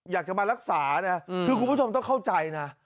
อยากจะมารักษานะคือคุณผู้ชมต้องเข้าใจนะ